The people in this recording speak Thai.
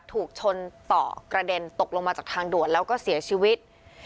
ถูกชนต่อกระเด็นตกลงมาจากทางด่วนแล้วก็เสียชีวิต